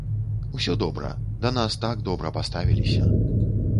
Усё добра, да нас так добра паставіліся.